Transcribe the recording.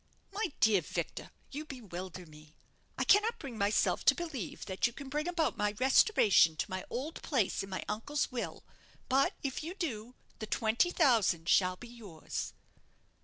"My dear Victor, you bewilder me. I cannot bring myself to believe that you can bring about my restoration to my old place in my uncle's will; but if you do, the twenty thousand shall be yours."